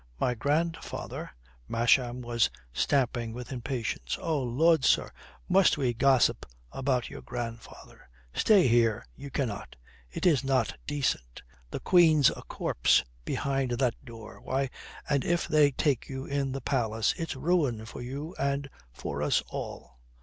"My grandfather " Masham was stamping with impatience. "Oh Lud, sir, must we gossip about your grandfather? Stay here, you cannot. It is not decent. The Queen's a corpse behind that door. Why, and if they take you in the palace, it's ruin for you and for us all.